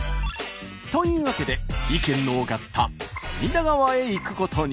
というわけで意見の多かった隅田川へ行くことに。